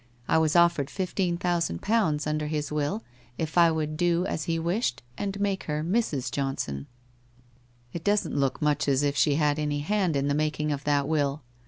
I was offered fifteen thousand pounds under his will if I would do as he wished and make her Mrs. Johnson/ ' It doesn't look much as if she had any hand in the making of that will